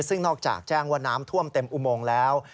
ซึ่งนอกจากแจ้งว่าน้ำท่วมเต็มอุโมงแล้ว